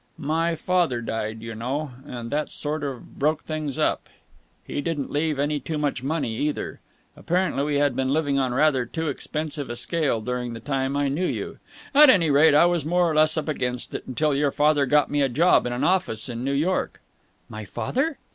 "My father died, you know, and that sort of broke things up. He didn't leave any too much money, either. Apparently we had been living on rather too expensive a scale during the time I knew you. At any rate, I was more or less up against it until your father got me a job in an office in New York." "My father!"